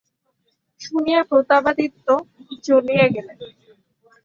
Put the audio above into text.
শুনিয়া প্রতাপাদিত্য জ্বলিয়া গেলেন।